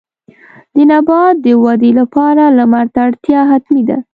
د نبات د ودې لپاره لمر ته اړتیا حتمي ده.